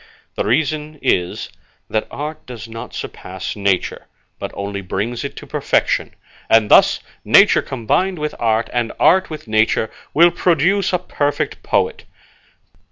The reason is, that art does not surpass nature, but only brings it to perfection; and thus, nature combined with art, and art with nature, will produce a perfect poet.